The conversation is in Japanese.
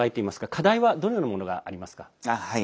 課題はどのようなものがありますか。